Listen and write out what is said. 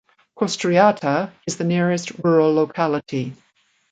Kostryata is the nearest rural locality.